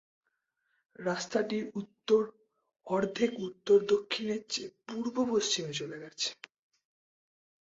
রাস্তাটির উত্তর অর্ধেক উত্তর-দক্ষিণের চেয়ে পূর্ব-পশ্চিমে চলে গেছে।